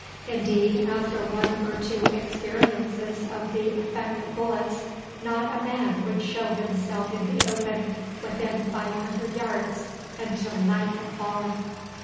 Indeed, after one or two experiences of the effect of bullets, not a man would show himself in the open within five hundred yards until night had fallen.